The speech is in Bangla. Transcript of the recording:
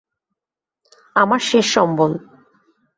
আমার শেষ সম্বল।